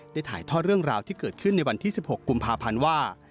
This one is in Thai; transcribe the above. ถ่ายทอดเรื่องราวที่เกิดขึ้นในวันที่๑๖กุมภาพันธ์ว่า